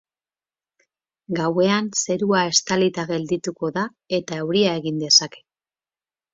Gauean zerua estalita geldituko da eta euria egin dezake.